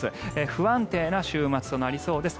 不安定な週末となりそうです。